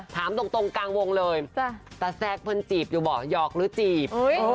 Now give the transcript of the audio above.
ถามตรงกลางวงเลยแต่แซ็กมันจีบอยู่เหรอหยอกหรือจีบ